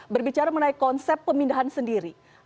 berbicara mengenai konsep pemindahan sendiri